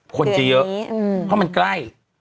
คนจะเยอะเพราะมันใกล้